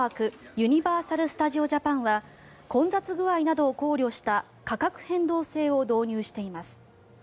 ユニバーサル・スタジオ・ジャパンは混雑具合などを考慮した価格変動制を導入しています。